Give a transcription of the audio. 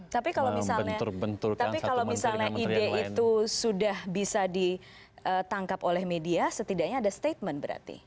tapi kalau misalnya ide itu sudah bisa ditangkap oleh media setidaknya ada statement berarti